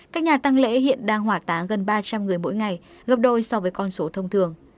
các nhà tăng lễ hiện đang hỏa táng gần ba trăm linh người mỗi ngày gấp đôi so với con số thông thường